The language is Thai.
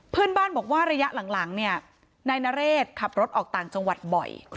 เพื่อนบ้านบอกว่าระยะหลังเนี่ยนายนเรศขับรถออกต่างจังหวัดบ่อย